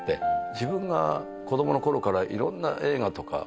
自分が子供の頃からいろんな。